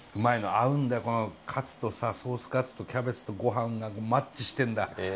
合うんだよこのカツとさソースカツとキャベツとご飯がマッチしてんだ。